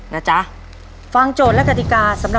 นะจ๊ะ